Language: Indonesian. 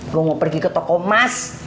gue mau pergi ke toko emas